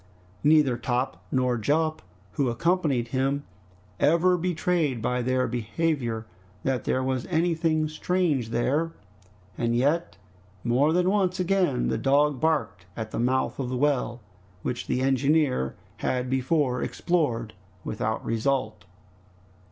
Neither Top nor Jup, who accompanied him, ever betrayed by their behavior that there was anything strange there, and yet more than once again the dog barked at the mouth of the well, which the engineer had before explored without result.